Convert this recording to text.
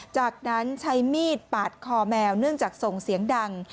จากนั้นใช้มีดปาดคอแมวเนื่องจากส่งเสียงดัง